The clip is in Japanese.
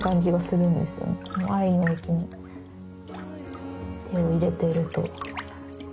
この藍の液に手を入れていると。